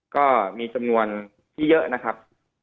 ก็มีจำนวนที่เยอะนะครับ